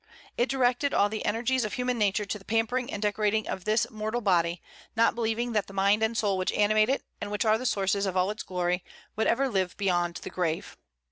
It directed all the energies of human nature to the pampering and decorating of this mortal body, not believing that the mind and soul which animate it, and which are the sources of all its glory, would ever live beyond the grave.